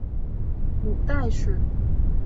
母戴氏。